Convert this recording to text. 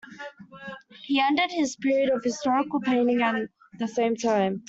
He ended his period of historical painting at the same time.